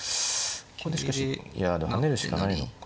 ここでしかしいやでも跳ねるしかないのか。